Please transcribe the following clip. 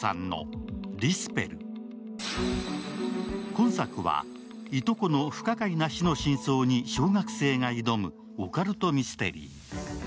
今作は、いとこの不可解な死の真相に小学生が挑むオカルトミステリー。